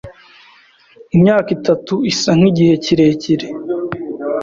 Imyaka itatu isa nkigihe kirekire.